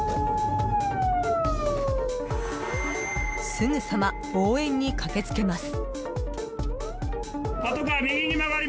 すぐさま応援に駆けつけます。